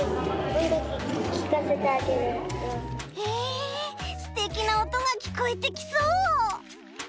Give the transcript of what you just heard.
へえすてきなおとがきこえてきそう！